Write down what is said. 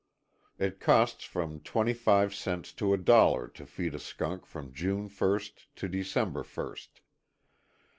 It costs from twenty five cents to a dollar to feed a skunk from June first to December first.